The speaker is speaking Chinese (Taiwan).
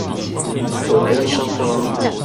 我悲傷嗎？